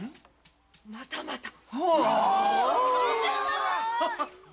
またまた‼